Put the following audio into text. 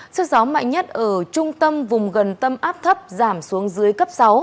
sức gió mạnh nhất ở trung tâm vùng gần tâm áp thấp giảm xuống dưới cấp sáu